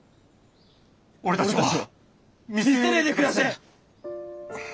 俺たちを見捨てねえで下せえ！